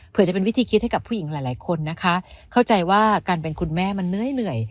เพื่อจะเป็นวิธีคิดให้กับผู้หญิงหลายหลายคนนะคะเข้าใจว่าการเป็นคุณแม่มันเหนื่อย